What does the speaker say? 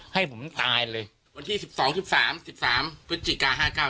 ให้ผมตายเลยวันที่สิบสองสิบสามสิบสามปืนจิกาห้าเก้า